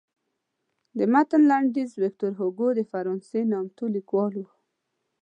د متن لنډیز ویکتور هوګو د فرانسې نامتو لیکوال و.